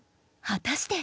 果たして。